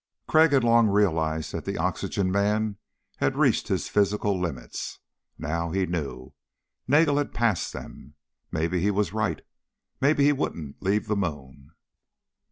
Crag had long realized that the oxygen man had reached his physical limits. Now, he knew, Nagel had passed them. Maybe he was right ... maybe he wouldn't leave the moon.